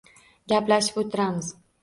— Gaplashib o‘tiramiz.